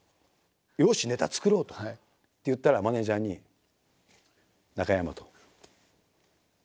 「よしネタ作ろう！」って言ったらマネージャーにハハハハハ！